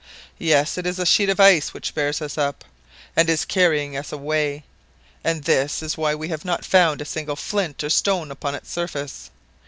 Yes, it is a sheet of ice which bears us up, and is carrying us away, and this is why we have not found a single flint or stone upon its surface.